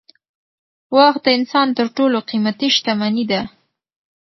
وخت د انسان تر ټولو قیمتي شتمني ده